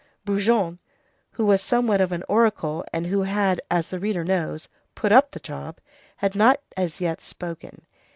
Brujon, who was somewhat of an oracle, and who had, as the reader knows, "put up the job," had not as yet spoken.